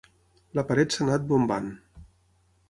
La paret s'ha anat bombant.